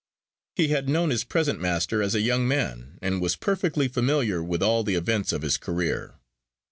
He had known his present master as a young man, and was perfectly familiar with all the events of his career.